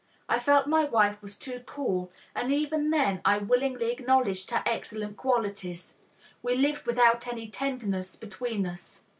I felt my wife was too cool and even though I willingly acknowledged her excellent qualities, we lived without any tenderness between us.